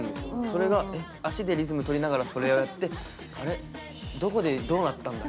それがえっ足でリズム取りながらそれをやってあれっどこでどうなったんだっけ？